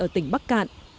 tỉnh bắc cạn